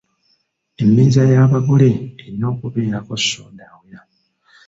Emmeeza y’abagole erina okubeerako soda awera.